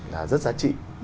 là rất giá trị